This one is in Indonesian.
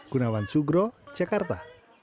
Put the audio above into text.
gunawan sugro jakarta